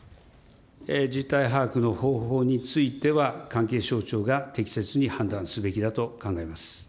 実態把握の方法については、関係省庁が適切に判断すべきだと考えます。